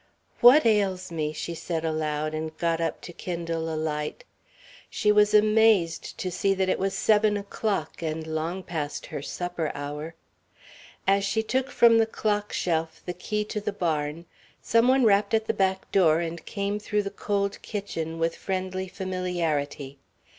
"What ails me?" she said aloud, and got up to kindle a light. She was amazed to see that it was seven o'clock, and long past her supper hour. As she took from the clock shelf the key to the barn, some one rapped at the back door and came through the cold kitchen with friendly familiarity.